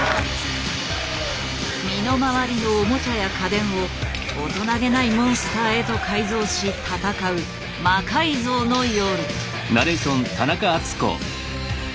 身の回りのオモチャや家電を大人気ないモンスターへと改造し戦う「魔改造の夜」。